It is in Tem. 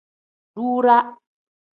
Duuraa.